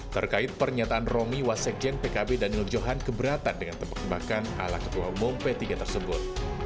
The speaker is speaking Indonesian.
terkait pernyataan romi wasekjen pkb daniel johan keberatan dengan tebak tembakan ala ketua umum p tiga tersebut